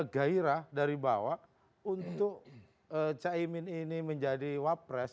gairah dari bawah untuk caimin ini menjadi wapres